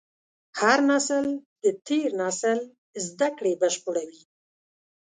هر نسل د تېر نسل زدهکړې بشپړوي.